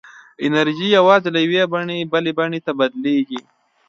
انرژي یوازې له یوې بڼې بلې ته بدلېږي.